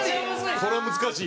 これは難しい。